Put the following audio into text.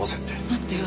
待ってよ